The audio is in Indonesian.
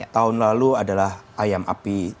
tahun lalu adalah ayam api